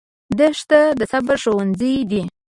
دښته د صبر ښوونځی دی.